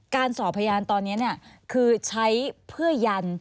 สอบพยานตอนนี้คือใช้เพื่อยัน